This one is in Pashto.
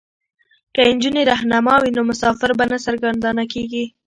که نجونې رهنما وي نو مسافر به نه سرګردانه کیږي.